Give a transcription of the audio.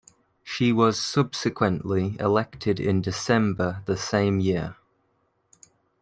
She was subsequently elected in December the same year.